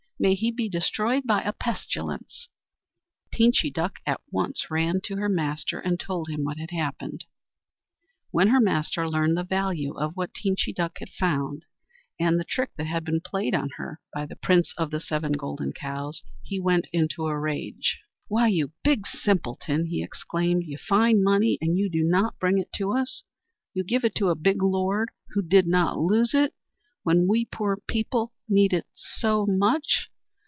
May he be destroyed by a pestilence!" Teenchy Duck at once ran to her master, and told him what had happened. When her master learned the value of what Teenchy Duck had found, and the trick that had been played on her by the Prince of the Seven Golden Cows, he went into a rage. "Why, you big simpleton!" he exclaimed, "you find money and you do not bring it to us! You give it to a big lord, who did not lose it, when we poor people need it so much!